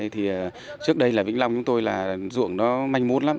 thì trước đây là vĩnh long chúng tôi là dụng nó manh mốt lắm